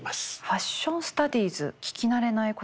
「ファッションスタディーズ」聞き慣れない言葉ですね。